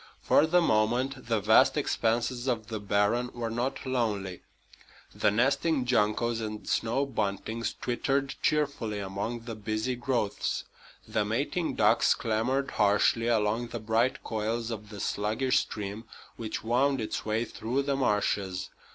For the moment the vast expanses of the barren were not lonely. The nesting juncos and snow buntings twittered cheerfully among the busy growths. The mating ducks clamored harshly along the bright coils of the sluggish stream which wound its way through the marshes.